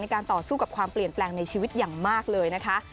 การต่อสู้กับความเปลี่ยนแปลงในชีวิตอย่างมากเลยนะคะ